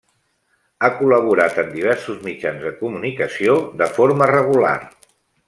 Ha col·laborat en diversos mitjans de comunicació de forma regular.